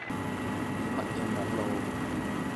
你乜嘢網路